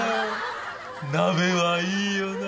鍋はいいよな。